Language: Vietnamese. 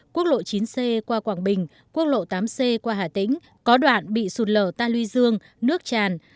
quốc lộ chín c qua quảng bình quốc lộ tám c qua hà tĩnh có đoạn bị sụt lở ta luy dương nước tràn